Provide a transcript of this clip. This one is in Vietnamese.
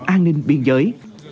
an ninh biên giới